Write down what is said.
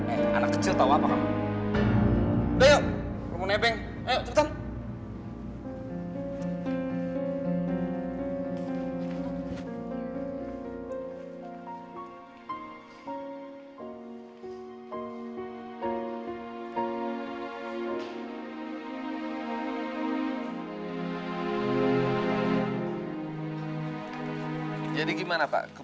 eh anak kecil tau apa kamu